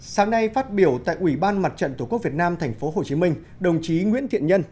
sáng nay phát biểu tại ủy ban mặt trận tổ quốc việt nam tp hcm đồng chí nguyễn thiện nhân